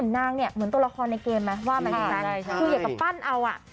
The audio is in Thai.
นางเนี่ยเหมือนตัวละครในเกมนะว่ามันอย่างนั้นคุยกับปั้นเอาอ่ะ